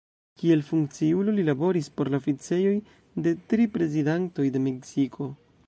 Kiel funkciulo li laboris por la oficejoj de tri Prezidantoj de Meksiko.